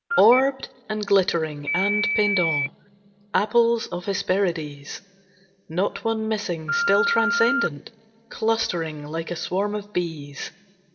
Orbed, and glittering, and pendent, Apples of Hesperides! Not one missing, still transcendent, Clustering like a swarm of bees.